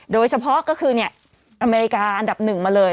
โดยเฉพาะก็คืออเมริกาอันดับหนึ่งมาเลย